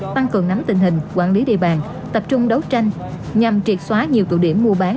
tăng cường nắm tình hình quản lý địa bàn tập trung đấu tranh nhằm triệt xóa nhiều tụ điểm mua bán